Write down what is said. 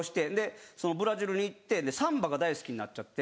ブラジルに行ってサンバが大好きになっちゃって。